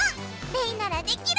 レイならできる！